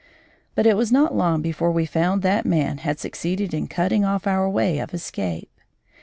But it was not long before we found that man had succeeded in cutting off our way of escape.